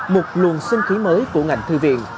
một luồng sinh khí mới của ngành thư viện